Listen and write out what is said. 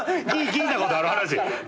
聞いたことある話やから。